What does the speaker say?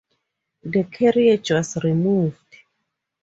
The carriage was removed.